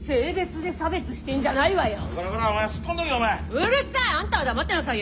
うるさい！